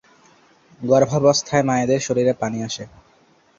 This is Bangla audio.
গর্ভাবস্থায় মায়েদের শরীরে পানি আসে।